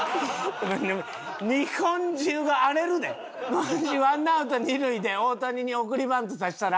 わしワンアウト二塁で大谷に送りバントさせたら。